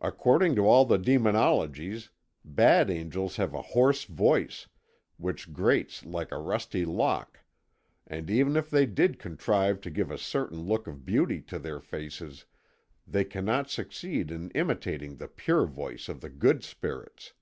According to all the demonologies, bad angels have a hoarse voice, which grates like a rusty lock, and even if they did contrive to give a certain look of beauty to their faces, they cannot succeed in imitating the pure voice of the good spirits.